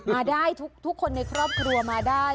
มาได้ทุกคนในครอบครัวมาได้